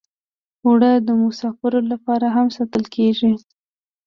اوړه د مسافرو لپاره هم ساتل کېږي